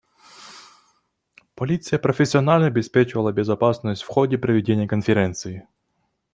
Полиция профессионально обеспечивала безопасность в ходе проведения конференции.